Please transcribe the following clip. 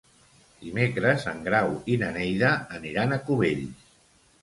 Dimecres en Grau i na Neida aniran a Cubells.